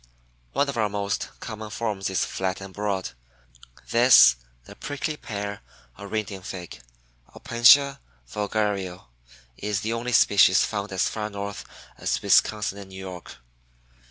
One of our most common forms is flat and broad. This, the Prickly Pear or Indian Fig (Opentia Vulgario), is the only species found as far north as Wisconsin and New York.